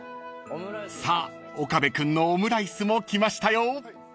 ［さあ岡部君のオムライスも来ましたよ］